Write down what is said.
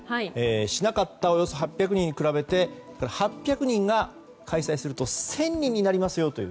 しなかったおよそ８００人に比べて８００人が、開催すると１０００人になりますよと。